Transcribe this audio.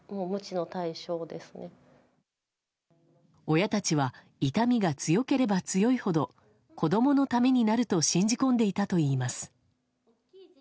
親たちは痛みが強ければ強いほど子供のためになると信じ込んでいたといいます。